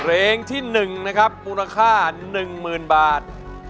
เพลงที่หนึ่งนะครับมูลค่า๑หมื่นบาท